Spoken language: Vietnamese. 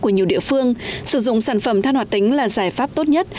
của nhiều địa phương sử dụng sản phẩm than hoạt tính là giải pháp tốt nhất